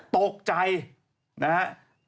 ตกใจนะครับ